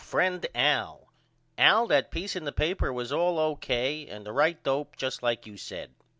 FRIEND AL: Al that peace in the paper was all O.K. and the right dope just like you said.